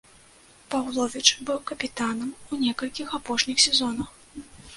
Паўловіч быў капітанам у некалькіх апошніх сезонах.